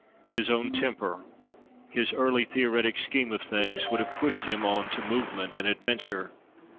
His own temper, his early theoretic scheme of things, would have pushed him on to movement and adventure.